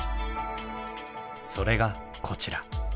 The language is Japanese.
それがこちら。